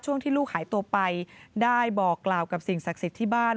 ที่ลูกหายตัวไปได้บอกกล่าวกับสิ่งศักดิ์สิทธิ์ที่บ้าน